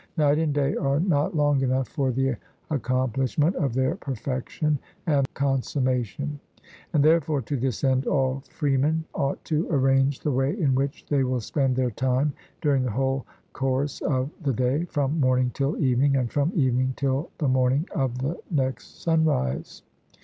Night and day are not long enough for the accomplishment of their perfection and consummation; and therefore to this end all freemen ought to arrange the way in which they will spend their time during the whole course of the day, from morning till evening and from evening till the morning of the next sunrise.